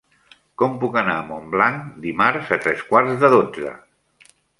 Com puc anar a Montblanc dimarts a tres quarts de dotze?